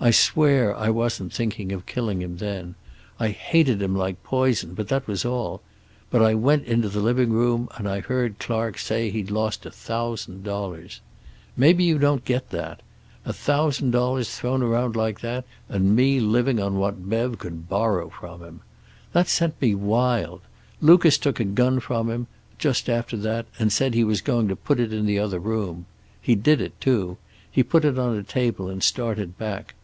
"I swear I wasn't thinking of killing him then. I hated him like poison, but that was all. But I went into the living room, and I heard Clark say he'd lost a thousand dollars. Maybe you don't get that. A thousand dollars thrown around like that, and me living on what Bev could borrow from him. "That sent me wild. Lucas took a gun from him, just after that, and said he was going to put it in the other room. He did it, too. He put it on a table and started back.